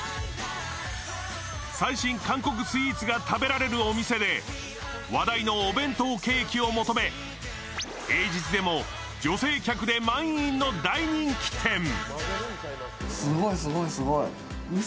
最新韓国スイーツが食べられるお店で話題のお弁当ケーキを求め平日でも女性客で満員の大人気店。